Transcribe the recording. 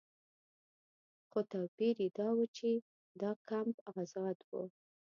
خو توپیر یې دا و چې دا کمپ آزاد و.